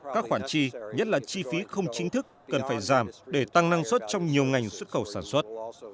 các khoản chi nhất là chi phí không chính thức cần phải giảm để tăng năng suất trong nhiều ngành xuất khẩu sản xuất